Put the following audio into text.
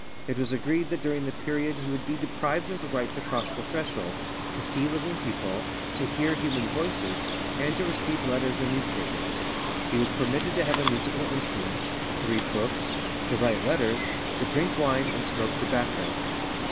It was agreed that during the period he would be deprived of the right to cross the threshold, to see living people, to hear human voices, and to receive letters and newspapers. He was permitted to have a musical instrument, to read books, to write letters, to drink wine and smoke tobacco.